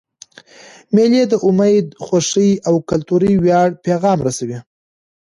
مېلې د امید، خوښۍ، او کلتوري ویاړ پیغام رسوي.